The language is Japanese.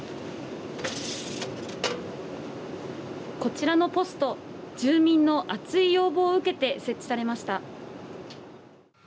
こちらのポスト住民の熱い要望を受けて設置されました。